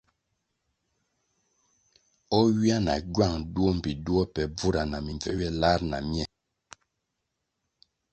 O ywia na gywang duo mbpi duo pe bvura na mimbvū ywe lar na mye.